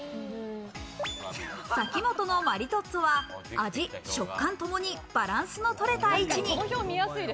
嵜本のマリトッツォは味、食感ともにバランスのとれた位置に。